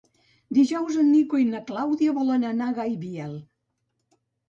Dijous en Nico i na Clàudia volen anar a Gaibiel.